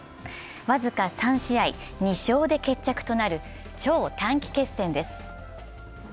僅か３試合、２勝で決着となる超短期決戦です。